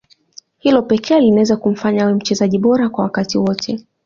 Hilo pekee linaweza kumfanya awe mchezaji bora wa wakati wote